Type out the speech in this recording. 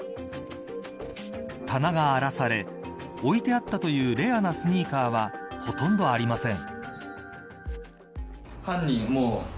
棚が荒らされ置いてあったというレアなスニーカーはほとんどありません。